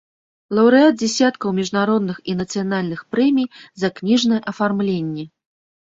Лаўрэат дзясяткаў міжнародных і нацыянальных прэмій за кніжнае афармленне.